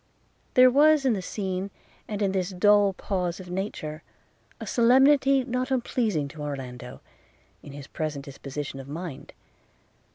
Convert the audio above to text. There was in the scene, and in this dull pause of nature, a solemnity not unpleasing to Orlando, in his present disposition of mind.